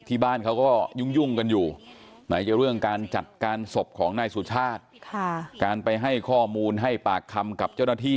เอ้าอิงอิงใช่ไหมครับ